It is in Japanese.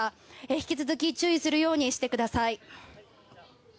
引き続き注意するようにしてください。